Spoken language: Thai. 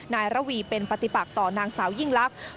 นายระวีเป็นปฏิปักต่อนางสาวยิ่งลักษณ์